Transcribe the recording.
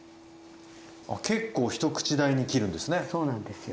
結構一口大に切るんですね。